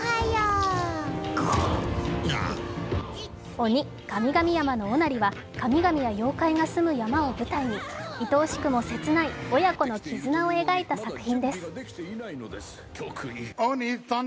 「ＯＮＩ神々山のおなり」は神々や妖怪たちが住む山を舞台に愛おしくも切ない、親子の絆を描いた作品です。